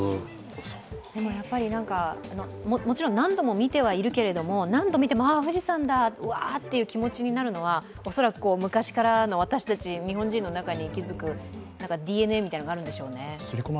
もちろん何度も見てはいるけども、何度見ても富士山だ、ワーという気持ちになるのは、恐らく昔から、私たち日本人の中に息づくＤＮＡみたいなのがあるんでしょうね